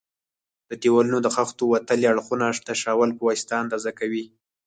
د دېوالونو د خښتو وتلي اړخونه د شاول په واسطه اندازه کوي.